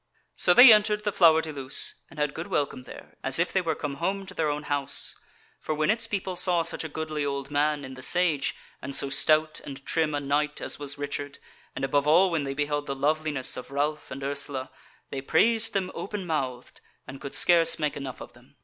So they entered the Flower de Luce, and had good welcome there, as if they were come home to their own house; for when its people saw such a goodly old man in the Sage, and so stout and trim a knight as was Richard, and above all when they beheld the loveliness of Ralph and Ursula, they praised them open mouthed, and could scarce make enough of them.